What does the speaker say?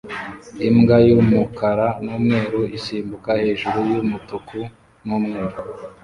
Imbwa y'umukara n'umweru isimbuka hejuru y'umutuku n'umweru